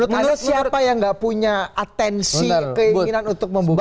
menurut siapa yang nggak punya atensi keinginan untuk membuka